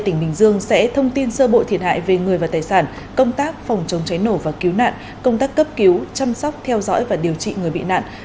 tỉnh bình dương sẽ thông tin sơ bộ thiệt hại về người và tài sản công tác phòng chống cháy nổ và cứu nạn công tác cấp cứu chăm sóc theo dõi và điều trị người bị nạn